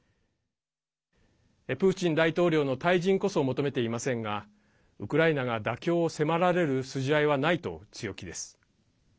プーチン大統領の退陣こそ求めていませんがウクライナが妥協を迫られる筋合いはないと強気です。